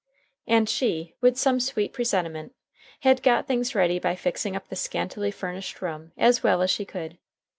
And she, with some sweet presentiment, had got things ready by fixing up the scantily furnished room as well as she could.